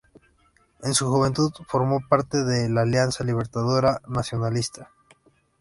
En su juventud formó parte de la Alianza Libertadora Nacionalista.